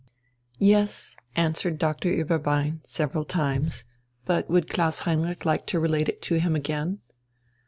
Yes, answered Doctor Ueberbein, several times. But would Klaus Heinrich like to relate it to him again?...